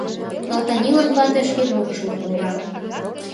Но Танилан вате шке мурыжымак мура.